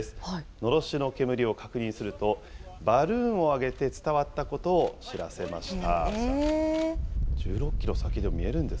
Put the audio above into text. のろしの煙を確認すると、バルーンを上げて伝わったことを知らせました。